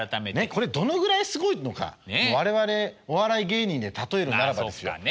これどのぐらいすごいのか我々お笑い芸人で例えるならばですよ。